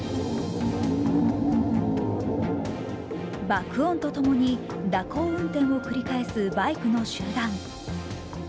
爆音とともに蛇行運転を繰り返すバイクの集団。